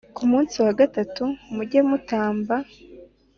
Ku munsi wagatatu mujye mutamba